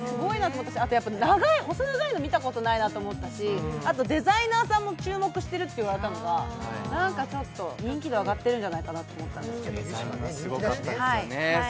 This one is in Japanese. あと細長いの見たことないなと思ったし、あとデザイナーさんも注目しているって言われたのがなんかちょっと人気度上がってるんじゃないかと思ったんですけど。